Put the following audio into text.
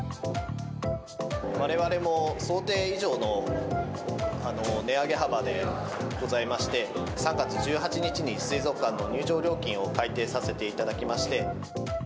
われわれも想定以上の値上げ幅でございまして、３月１８日に水族館の入場料金を改定させていただきまして。